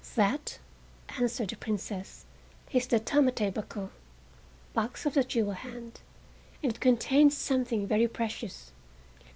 "That," answered the Princess "is the tamate bako (Box of the Jewel Hand), and it contains something very precious.